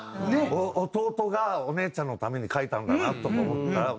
弟がお姉ちゃんのために書いたんだなと思ったら。